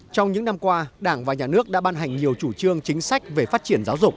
trong những năm qua đảng và nhà nước đã ban hành nhiều chủ trương chính sách về phát triển giáo dục